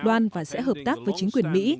đoàn và sẽ hợp tác với chính quyền mỹ